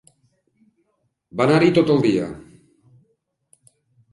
Van anar-hi tot el dia.